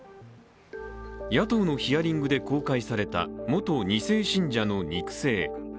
野党のヒアリングで公開された元２世信者の肉声。